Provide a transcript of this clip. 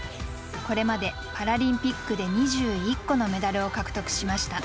これまでパラリンピックで２１個のメダルを獲得しました。